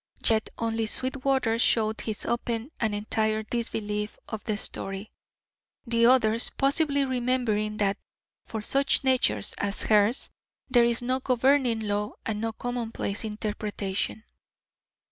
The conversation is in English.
Yet only Sweetwater showed his open and entire disbelief of the story, the others possibly remembering that for such natures as hers there is no governing law and no commonplace interpretation.